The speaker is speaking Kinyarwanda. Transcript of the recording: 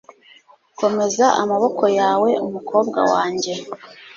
Komeza amaboko yawe umukobwa wanjye!